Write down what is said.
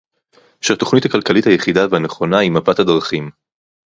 שהתוכנית הכלכלית היחידה והנכונה היא מפת הדרכים